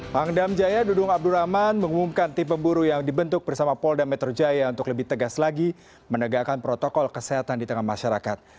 pangdam jaya dudung abdurrahman mengumumkan tim pemburu yang dibentuk bersama polda metro jaya untuk lebih tegas lagi menegakkan protokol kesehatan di tengah masyarakat